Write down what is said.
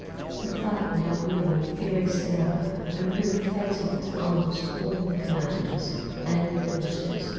The fight now grew more furious than ever, and proved fatal to almost all the commanders and their forces....